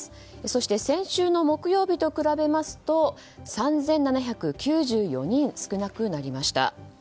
そして先週の木曜日と比べますと３７９４人、少なくなりました。